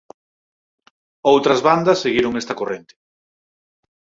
Outras bandas seguiron esta corrente.